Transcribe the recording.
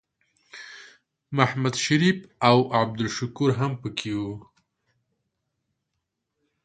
محمد شریف او عبدالشکور هم پکې وو.